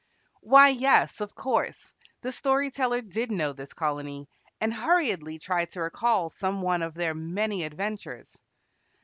Why, yes, of course. The Story Teller did know this colony, and hurriedly tried to recall some one of their many adventures.